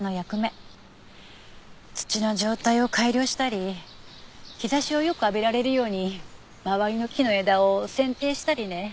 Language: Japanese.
土の状態を改良したり日差しをよく浴びられるように周りの木の枝を剪定したりね。